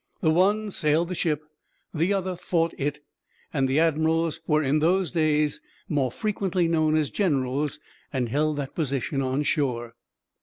The one sailed the ship, the other fought it; and the admirals were, in those days, more frequently known as generals, and held that position on shore.